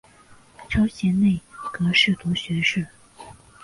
超擢内阁侍读学士。